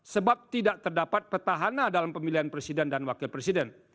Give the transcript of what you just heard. sebab tidak terdapat petahana dalam pemilihan presiden dan wakil presiden